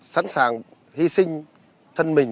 sẵn sàng hy sinh thân mình